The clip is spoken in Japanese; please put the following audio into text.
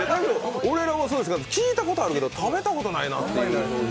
聞いたことあるけど、食べたことないなっていう。